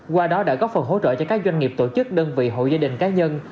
qua đó đã góp phần hỗ trợ cho các doanh nghiệp tổ chức đơn vị hộ gia đình cá nhân